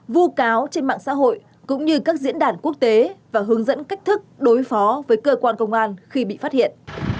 vu cáo trên mạng xã hội cũng như các diễn đàn quốc tế và hướng dẫn cách thức đối phó với cơ quan công an khi bị phát hiện